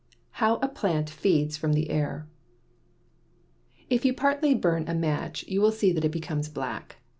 HOW A PLANT FEEDS FROM THE AIR If you partly burn a match you will see that it becomes black.